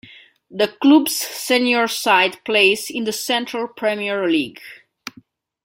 The club's senior side plays in the Central Premier League.